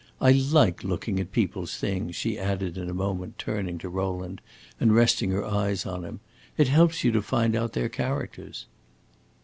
I like looking at people's things," she added in a moment, turning to Rowland and resting her eyes on him. "It helps you to find out their characters."